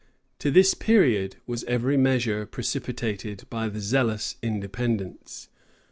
To this period was every measure precipitated by the zealous Independents.